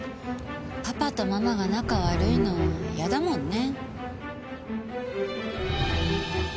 パパとママが仲悪いの嫌だもんね？